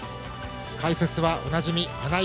解説はおなじみ穴井